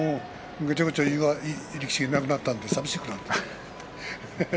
ぐちゃぐちゃ言う力士がいなくなったのでさみしくなった。